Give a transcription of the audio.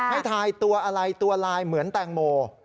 ทายตัวอะไรตัวลายเหมือนแตงโม